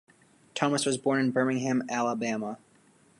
Thomas was born in Birmingham, Alabama.